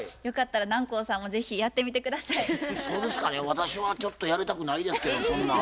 私はちょっとやりたくないですけどそんな。